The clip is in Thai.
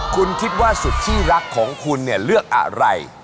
คุณคิดว่าสุดที่รักของคุณเนี่ยเลือกอะไร